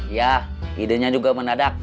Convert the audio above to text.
iya idenya juga mendadak